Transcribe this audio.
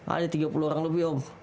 ada tiga puluh orang lebih om